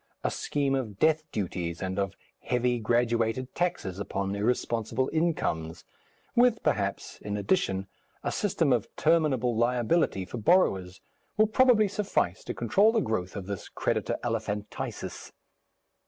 A scheme of death duties and of heavy graduated taxes upon irresponsible incomes, with, perhaps, in addition, a system of terminable liability for borrowers, will probably suffice to control the growth of this creditor elephantiasis.